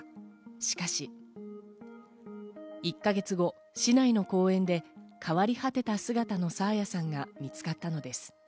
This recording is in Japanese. しかし、１か月後、市内の公園で変わり果てた姿の爽彩さんが見つかったのです。